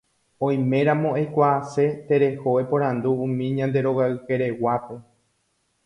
oiméramo eikuaase tereho eporandu umi ñande rogaykereguápe